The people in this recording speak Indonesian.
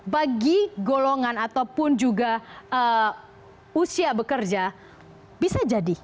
bagi golongan ataupun juga usia bekerja bisa jadi